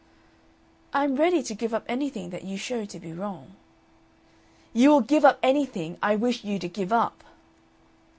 "I am ready to give up anything that you show to be wrong." "You will give up anything I wish you to give up."